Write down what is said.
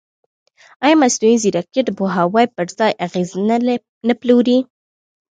ایا مصنوعي ځیرکتیا د پوهاوي پر ځای اغېز نه پلوري؟